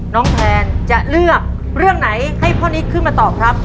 แทนจะเลือกเรื่องไหนให้พ่อนิดขึ้นมาตอบครับ